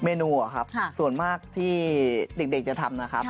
เมนูอะครับส่วนมากที่เด็กจะทำนะครับ